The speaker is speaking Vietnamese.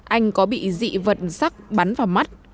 anh có bị dị vật sắc bắn vào mắt